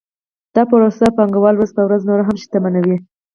دا پروسه پانګوال ورځ په ورځ نور هم شتمنوي